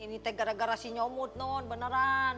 ini tegak gara gara si nyomud non beneran